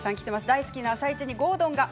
大好きな「あさイチ」に郷敦が！